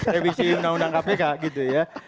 revisi undang undang kpk gitu ya